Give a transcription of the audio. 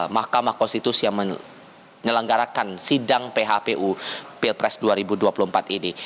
mahkamah konstitusi yang menyelenggarakan sidang phpu pilpres dua ribu dua puluh empat ini